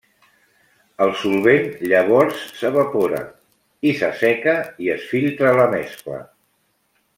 El solvent llavors s'evapora, i s'asseca i es filtra la mescla.